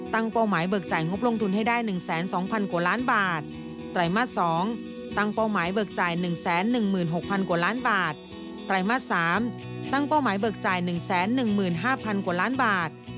ตั้งเป้าหมายเบิกจ่ายหนึ่งแสนหนึ่งหมื่นห้าพันกว่าล้านบาท